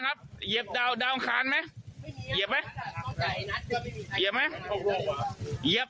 ครับเหยียบดาวอดาวอังคารไหมเหยียบไหมเหยียบน้อย